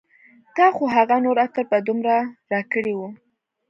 تا خو هغه نور عطر په دومره راکړي و